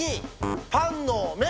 パンの目。